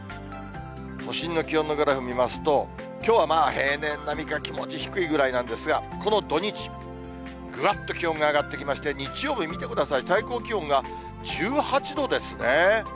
都心の気温のグラフを見ますと、きょうは平年並みか気持ち低いぐらいなんですが、この土日、ぐわっと気温上がっていきまして、日曜日、見てください、最高気温が１８度ですね。